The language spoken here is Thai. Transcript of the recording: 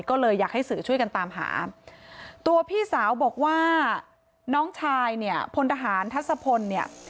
ก็เลยอยากให้สื่อช่วยกันตามหาตัวพี่สาวบอกว่าน้องชายเนี่ยพลทหารทัศพลเนี่ย